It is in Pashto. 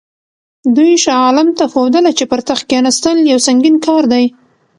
دوی شاه عالم ته ښودله چې پر تخت کښېنستل یو سنګین کار دی.